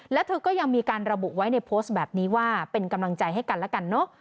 แล้วเธอก็ยังมีการระบุไว้ในโพสต์แบบนี้ว่าเป็นกำลังใจให้กันแล้วกันเนอะ